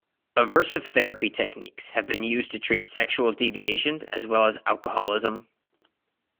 Aversive therapy techniques have been used to treat sexual deviations as well as alcoholism.